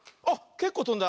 けっこうとんだ。